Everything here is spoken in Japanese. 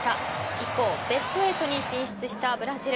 一方ベスト８に進出したブラジル。